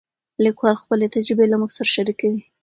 لیکوال خپلې تجربې له موږ سره شریکوي.